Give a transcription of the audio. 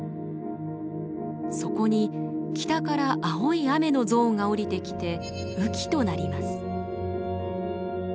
そこに北から青い雨のゾーンが下りてきて雨季となります。